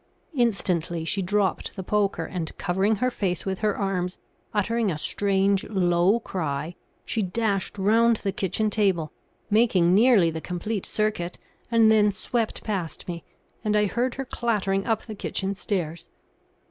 Instantly she dropped the poker, and covering her face with her arms, uttering a strange, low cry, she dashed round the kitchen table, making nearly the complete circuit, and then swept past me, and I heard her clattering up the kitchen stairs.